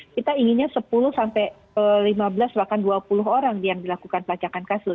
kita inginnya sepuluh sampai lima belas bahkan dua puluh orang yang dilakukan pelacakan kasus